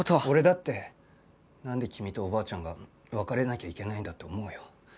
俺だってなんで君とおばあちゃんが別れなきゃいけないんだって思うよ。